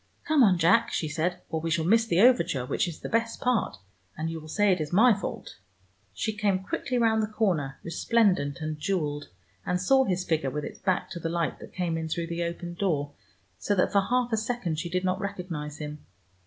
"Come on, Jack," she said, "or we shall miss the overture which is the best part, and you will say it is my fault." She came quickly round the corner, resplendent and jeweled, and saw his figure with its back to the light that came in through the open door, so that for half a second she did not recognize him.